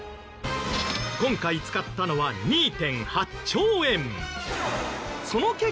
今回使ったのは２．８兆円。